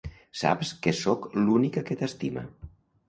Saps que sóc l'única que t'estima.